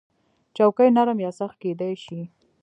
چوکۍ نرم یا سخت کېدای شي.